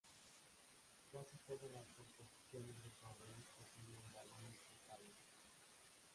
Casi todas los composiciones de correos poseían vagones postales.